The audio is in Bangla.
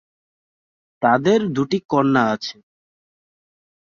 তাদের দুটি কন্যা আছে।